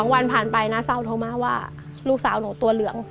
วันผ่านไปน้าเศร้าโทรมาว่าลูกสาวหนูตัวเหลือง